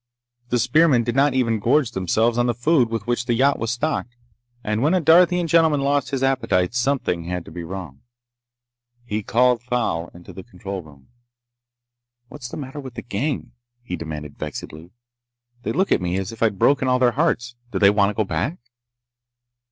The spearmen did not even gorge themselves on the food with which the yacht was stocked. And when a Darthian gentleman lost his appetite, something had to be wrong. He called Thal into the control room. "What's the matter with the gang?" he demanded vexedly. "They look at me as if I'd broken all their hearts! Do they want to go back?"